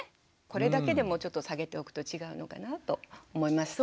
これだけでもちょっと下げておくと違うのかなと思います。